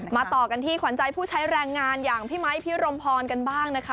ต่อกันที่ขวัญใจผู้ใช้แรงงานอย่างพี่ไมค์พี่รมพรกันบ้างนะคะ